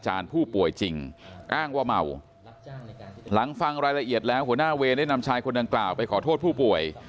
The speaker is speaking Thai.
อ้างว่าเมาหลังฟังรายละเอียดแล้วหัวหน้าเวรได้นำชายคนดังกล่าวไปขอโทษผู้ป่วย